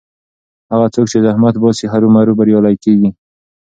هغه څوک چې زحمت باسي هرو مرو بریالی کېږي.